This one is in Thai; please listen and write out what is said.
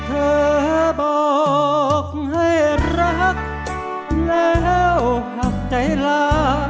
เธอบอกให้รักแล้วหักใจลา